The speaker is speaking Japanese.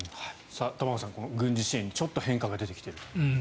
玉川さん、軍事支援にちょっと変化が出てきていると。